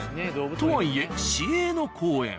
とはいえ市営の公園。